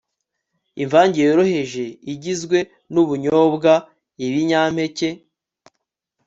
Imvange yoroheje igizwe nubunyobwa ibinyampeke